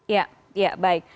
ya ya baik